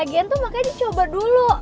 lagian tuh makanya dicoba dulu